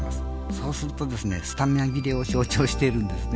そうするとスタミナ切れを象徴してるんですね。